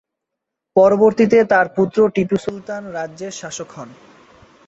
পরবর্তীতে তার পুত্র টিপু সুলতান রাজ্যের শাসক হন।